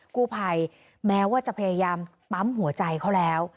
กู้ภัยแม้ว่าจะพยายามปั๊มหัวใจเขาแล้ว